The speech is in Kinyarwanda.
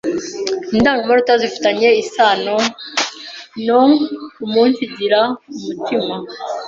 Indangamanota zifi tanye isano no umunsigira umutima